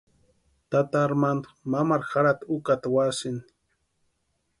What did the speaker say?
Tata Armandu mamaru jarhati úkata úasïni.